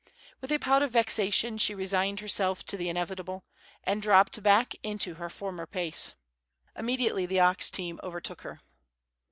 With a pout of vexation she resigned herself to the inevitable, and dropped back into her former pace. Immediately the ox team overtook her.